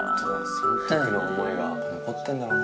そのときの思いが残ってんだろうね。